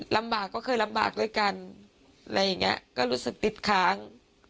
ลำบากก็เคยลำบากด้วยกันอะไรอย่างนี้ก็รู้สึกติดค้าง